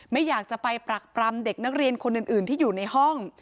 ไม่อยากจะไปปรักปรำเด็กนักเรียนคนอื่นที่อยู่ในห้อง